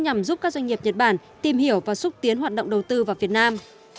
nhằm giúp các doanh nghiệp nhật bản tìm hiểu và xúc tiến hoạt động đầu tư vào việt nam